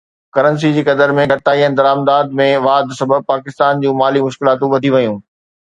currency جي قدر ۾ گهٽتائي ۽ درآمدات ۾ واڌ سبب پاڪستان جون مالي مشڪلاتون وڌي ويون